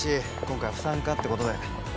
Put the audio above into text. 今回は不参加ってことで。